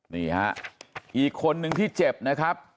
นี่ฮะอีกคนนึงที่เจ็บนะครับ